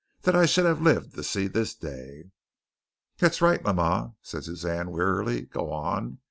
That I should have lived to have seen this day!" "That's right, mama," said Suzanne, wearily. "Go on.